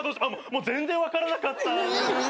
もう全然分からなかった。